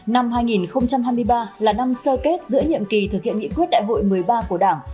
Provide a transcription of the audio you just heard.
năm hai nghìn hai mươi ba là năm sơ kết giữa nhiệm kỳ thực hiện nghị quyết đại hội một mươi ba của đảng